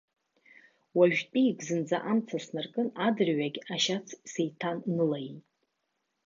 Уажәтәик зынӡа амца снаркын, адырҩагь ашьац сеиҭанылаиеит.